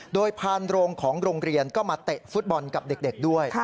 โดยพานโรงของโรงเรียนก็มาเตะฟุตบอลกับเด็กด้วย